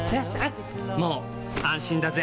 もう安心だぜ！